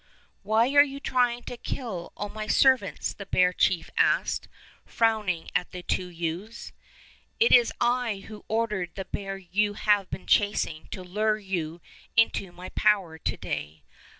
''Why are you trying to kill all my ser vants? " the bear chief asked, frowning at the 71 Fairy Tale Bears two youths. " It is I who ordered the bear you have been chasing to lure you into my power to day.